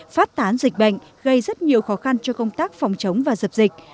phát tán dịch bệnh gây rất nhiều khó khăn cho công tác phòng chống và dập dịch